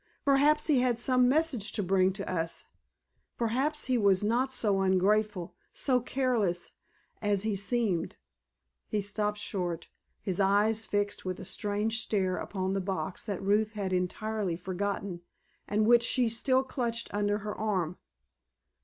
Perhaps he had some message to bring to us—perhaps he was not so ungrateful, so careless as he seemed——" He stopped short, his eyes fixed with a strange stare upon the box that Ruth had entirely forgotten, and which she still clutched under her arm.